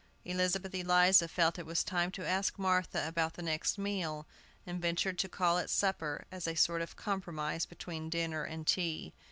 Elizabeth Eliza felt it time to ask Martha about the next meal, and ventured to call it supper, as a sort of compromise between dinner and tea.